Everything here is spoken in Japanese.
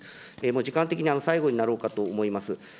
もう時間的に、最後になろうかと思います。